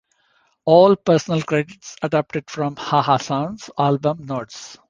All personnel credits adapted from "Haha Sound"s album notes.